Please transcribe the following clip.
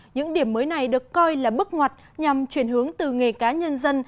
những điểm mới này được coi là bước ngoặt nhằm chuyển hướng từ nghề cá nhân dân